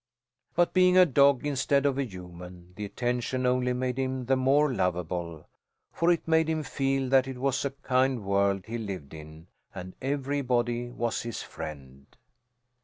But being a dog instead of a human, the attention only made him the more lovable, for it made him feel that it was a kind world he lived in and everybody was his friend.